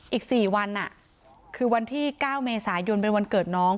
อีกสี่วันอ่ะคือวันที่เก้าเมษายนเป็นวันเกิดน้อง